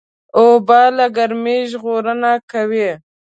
اوبه له ګرمۍ ژغورنه کوي.